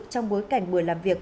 trong bối cảnh buổi làm việc